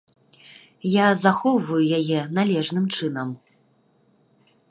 Я захоўваю яе належным чынам.